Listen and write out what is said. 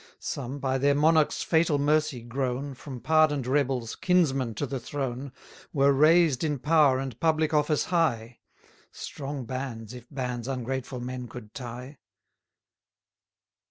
Some, by their monarch's fatal mercy, grown, From pardon'd rebels, kinsmen to the throne, Were raised in power and public office high; Strong bands, if bands ungrateful men could tie.